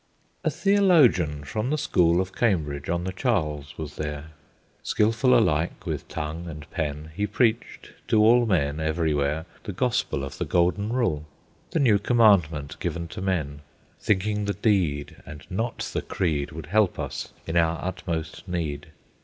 A Theologian, from the school Of Cambridge on the Charles, was there; Skilful alike with tongue and pen, He preached to all men everywhere The Gospel of the Golden Rule, The New Commandment given to men, Thinking the deed, and not the creed, Would help us in our utmost need.